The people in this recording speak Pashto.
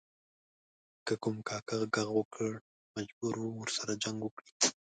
که کوم کاکه ږغ وکړ مجبور و ورسره جنګ وکړي.